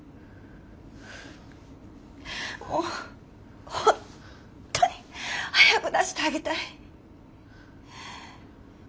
もう本当に早く出してあげたい。